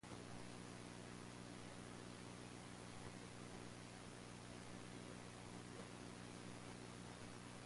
The bridge project was named for Natcher only three months before his death.